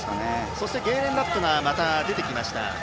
そしてゲーレン・ラップがまた出てきました。